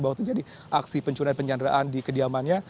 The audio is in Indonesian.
bahwa terjadi aksi pencurian penyanderaan di kediamannya